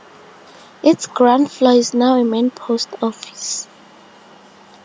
Its ground floor is now a main Post Office.